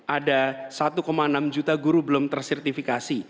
ada satu enam juta guru belum tersertifikasi